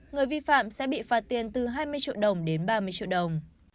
người vi phạm sẽ bị phạt tiền từ hai mươi triệu đồng đến ba mươi triệu đồng